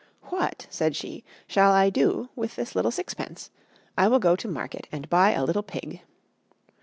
"What," said she, "shall I do with this little sixpence? I will go to market, and buy a little pig."